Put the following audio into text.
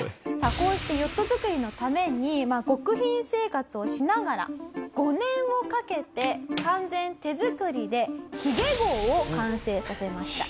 こうしてヨット作りのために極貧生活をしながら５年をかけて完全手作りで髭号を完成させました。